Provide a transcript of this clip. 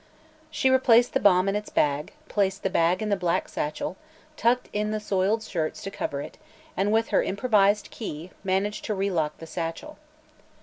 She replaced the bomb in its bag, placed the bag in the black satchel, tucked in the soiled shirts to cover it and with her improvised key managed to relock the satchel.